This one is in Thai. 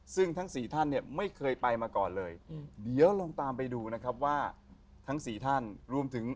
ซึ่งทั้งสี่ท่านเนี่ยไม่เคยไปมาก่อนเลยเดี๋ยวลองตามไปดูนะครับว่าทั้งสี่ท่านรวมถึง